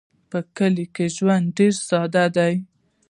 په کلیو کې ژوند ډېر ساده دی.